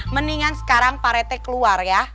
mendingan sekarang pak rete keluar ya